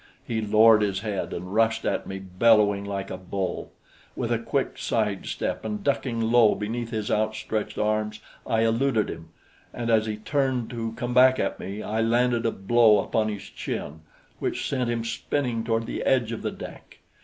He lowered his head and rushed at me, bellowing like a bull. With a quick side step and ducking low beneath his outstretched arms, I eluded him; and as he turned to come back at me, I landed a blow upon his chin which sent him spinning toward the edge of the deck.